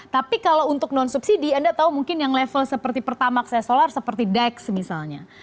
tapi kalau untuk non subsidi anda tahu mungkin yang level seperti pertamaxnya solar seperti dex misalnya